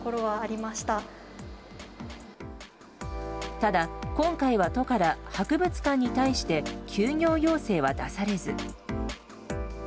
ただ、今回は都から博物館に対して休業要請は出されず。